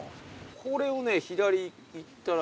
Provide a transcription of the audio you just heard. これをね左行ったら。